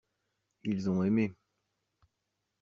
Ils ont aimé.